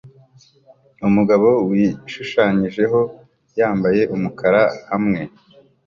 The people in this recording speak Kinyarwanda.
Umugabo wishushanyijeho yambaye umukara hamwe